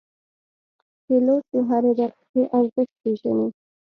پیلوټ د هرې دقیقې ارزښت پېژني.